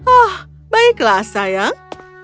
oh baiklah sayang